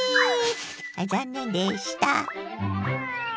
あっ残念でした。